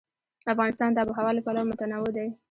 افغانستان د آب وهوا له پلوه متنوع دی.